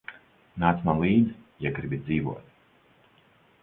Nāc man līdzi, ja gribi dzīvot.